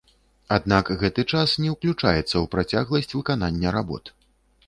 Аднак гэты час не ўключаецца ў працягласць выканання работ.